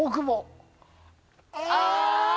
あぁ！